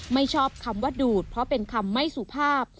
ไม่ชอบคำว่าดูดเพราะเป็นคำไม่สุภาพ